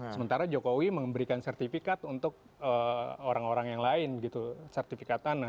sementara jokowi memberikan sertifikat untuk orang orang yang lain gitu sertifikat tanah